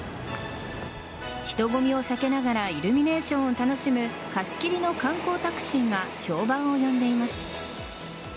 人混みを避けながらイルミネーションを楽しむ貸し切りの観光タクシーが評判を呼んでいます。